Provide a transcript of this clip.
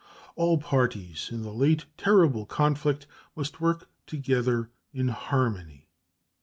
All parties in the late terrible conflict must work together in harmony.